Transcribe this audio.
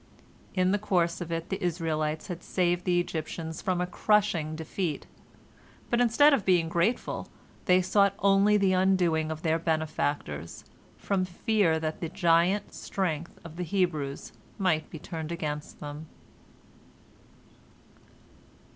In the course of it, the Israelites had saved the Egyptians from a crushing defeat, but instead of being grateful they sought only the undoing of their benefactors, from fear that the giant strength of the Hebrews might be turned against them.